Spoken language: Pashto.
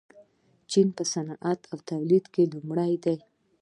چین په صنعتي تولید کې لومړی دی.